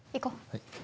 はい。